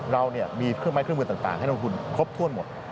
เรามีเครื่องไม้เครื่องมือต่างให้ลงทุนครบถ้วนหมด